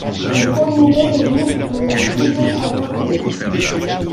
Vous fournirez les vivres dont nous pouvons avoir besoin.